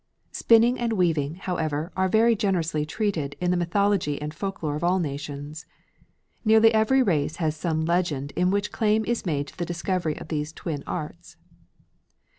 Spinning and weaving, however, are very generously treated in the mythology and folklore of all nations. Nearly every race has some legend in which claim is made to the discovery of these twin arts.